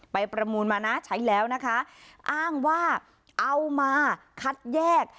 ประมูลมานะใช้แล้วนะคะอ้างว่าเอามาคัดแยก